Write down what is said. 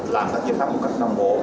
làm các giới pháp một cách đồng hồ